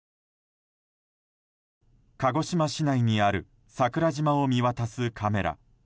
鹿児島市内にある桜島を見渡すカメラ。